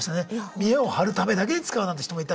見えを張るためだけに使うなんて人もいたりとか。